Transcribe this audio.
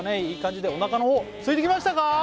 いい感じでおなかの方すいてきましたか？